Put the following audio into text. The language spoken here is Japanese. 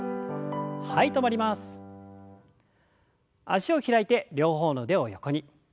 脚を開いて両方の腕を横に。